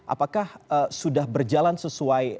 apakah sudah berjalan sesuai